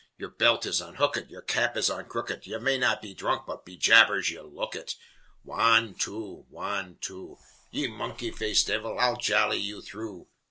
Yer belt is unhookit, Yer cap is on crookit, Ye may not be dhrunk, But, be jabers, ye look it! Wan two! Wan two! Ye monkey faced divil, I'll jolly ye through!